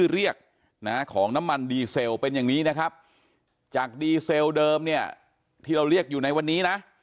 เรียกนะของน้ำมันดีเซลเป็นอย่างนี้นะครับจากดีเซลเดิมเนี่ยที่เราเรียกอยู่ในวันนี้นะ